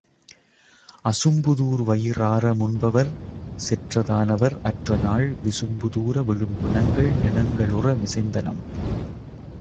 அசும்புதூர்வயி றாரமுன்பவர் செற்றதானவர் அற்றநாள் விசும்புதூர விழும்பிணங்கள் நிணங்களுற மிசைந்தனம்.